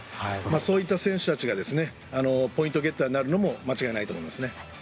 そういった選手たちがポイントゲッターになるのも間違いないと思いますね。